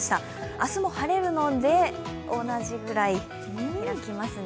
明日も晴れるので、同じくらい開きますね。